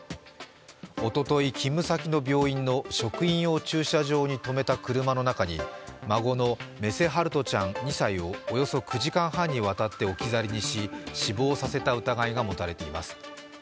おととい勤務先の職員用の駐車場に止めた車の中に、孫の目瀬陽翔ちゃん２歳をおよそ９時間半にわたって置き去りにし死亡させた疑いが持たれています。